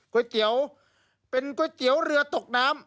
ก๋วยเตี๋ยวเป็นก๋วยเตี๋ยวเรือตกน้ำ